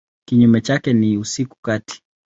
Kinyume chake ni usiku kati.